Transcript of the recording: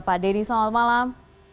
pak deddy selamat malam